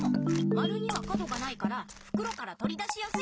まるには角がないからふくろからとり出しやすい。